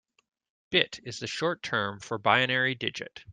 Bit is the short term for binary digit.